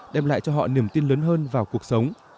đem lại cho họ niềm tin lớn hơn vào cuộc sống